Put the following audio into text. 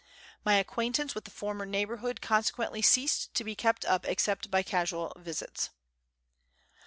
My acquaintance with the former neighbourhood consequently ceased to be kept up except by casual visits.